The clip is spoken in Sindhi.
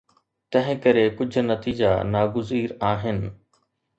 تنهن ڪري ڪجهه نتيجا ناگزير آهن.